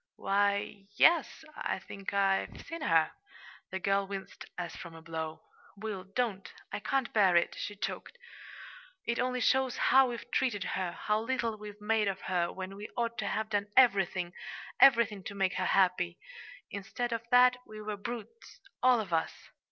"Why, y yes; I think I've seen her." The girl winced, as from a blow. "Will, don't! I can't bear it," she choked. "It only shows how we've treated her how little we've made of her, when we ought to have done everything everything to make her happy. Instead of that, we were brutes all of us!"